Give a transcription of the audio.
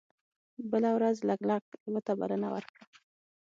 بله ورځ لګلګ لیوه ته بلنه ورکړه.